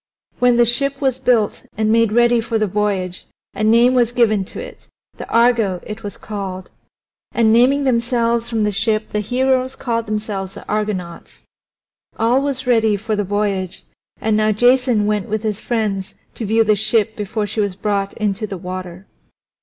When the ship was built and made ready for the voyage a name was given to it the Argo it was called. And naming themselves from the ship the heroes called themselves the Argonauts. All was ready for the voyage, and now Jason went with his friends to view the ship before she was brought into the water.